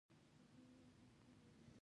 شنه، زرغونه، بنفشیې، ژړ